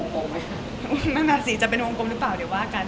โกงไหมค่ะน่าสิจะเป็นโกงหรือเปล่าเดี๋ยวว่ากัน